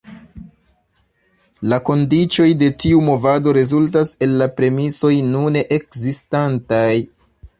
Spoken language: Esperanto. La kondiĉoj de tiu movado rezultas el la premisoj nune ekzistantaj".